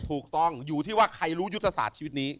ถูกต้องอยู่ที่ว่าใครรู้ยุทธศาสตร์ชีวิตนี้